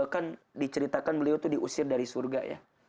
kan diceritakan beliau itu diusir dari surga ya